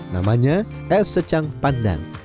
namanya es secang pandan